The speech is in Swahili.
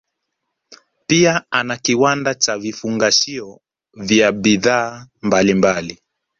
Pia ana kiwanda cha vifungashio vya bidhaa mbalimbali